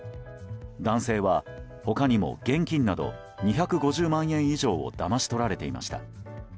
男性は他にも現金など２５０万円以上をだまし取られていました。